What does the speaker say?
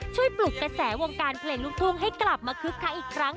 ปลุกกระแสวงการเพลงลูกทุ่งให้กลับมาคึกคักอีกครั้ง